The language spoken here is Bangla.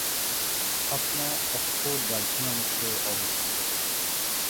ছাতনা অক্ষ-দ্রাঘিমাংশে অবস্থিত।